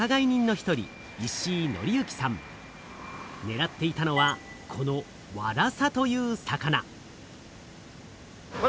ねらっていたのはこのワラサという魚。